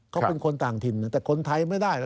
เขาเป็นคนต่างถิ่นเนี่ยแต่คนไทยไม่ได้